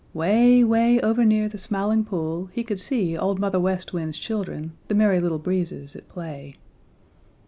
Way, way over near the Smiling Pool he could see Old Mother West Wind's Children, the Merry Little Breezes, at play.